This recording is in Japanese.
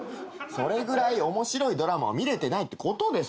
それぐらい面白いドラマを見れてないってことですよ。